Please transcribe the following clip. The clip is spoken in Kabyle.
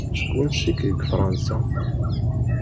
Seg wansi-k deg Fransa?